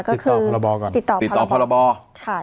ก็คือติดต่อพรบก่อนติดต่อพรบติดต่อพรบใช่